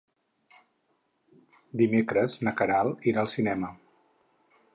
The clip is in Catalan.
Dimecres na Queralt irà al cinema.